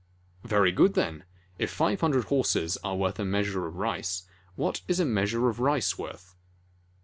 "Very good, then! If five hundred horses are worth a measure of rice, what is the measure of rice worth?"